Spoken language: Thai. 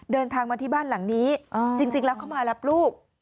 เดินทางมาที่บ้านหลังนี้จริงแล้วเขามารับลูก